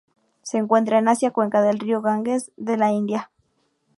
Se encuentran en Asia: cuenca del río Ganges en la India.